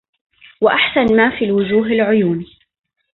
وأحسن ما في الوجوه العيون